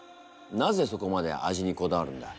なぜそこまで「味」にこだわるんだ？